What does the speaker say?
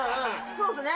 そうっすね。